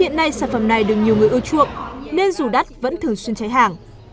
hiện nay sản phẩm này được nhiều người ưa chuộng nên dù đắt vẫn thường xuyên cháy hàng